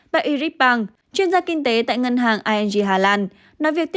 bà iris bang chuyên gia kinh tế tại ngân hàng ing hà lan